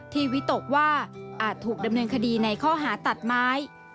วิตกว่าอาจถูกดำเนินคดีในข้อหาตัดไม้